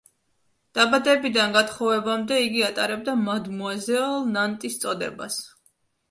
დაბადებიდან გათხოვებამდე, იგი ატარებდა მადმუაზელ ნანტის წოდებას.